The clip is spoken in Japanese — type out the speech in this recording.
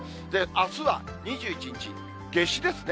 あすは２１日、夏至ですね。